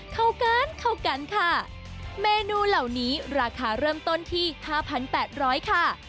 เข้ากันเข้ากันค่ะเมนูเหล่านี้ราคาเริ่มต้นที่๕๘๐๐ค่ะ